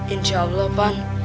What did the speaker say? insya allah pan